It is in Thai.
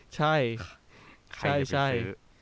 ใช่ใช่ใช่